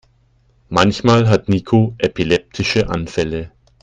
Manchmal hat Niko epileptische Anfälle.